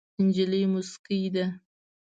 نجلۍ موسکۍ ده.